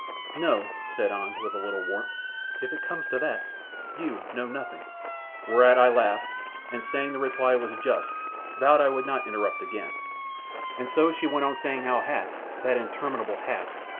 "No!" said An, with a little warmth. "If it comes to that, you know nothing." Whereat I laughed, and, saying the reply was just, vowed I would not interrupt again; so she wont on saying how Hath that interminable Hath!